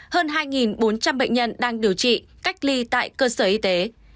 hơn hai bốn trăm linh bệnh nhân đang điều trị cách ly tại cơ sở y tế